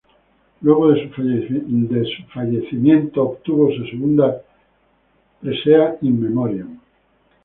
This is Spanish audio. Luego de su fallecimiento obtuvo su segunda presea "in memoriam".